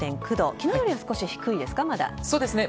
昨日よりは少し低いですね。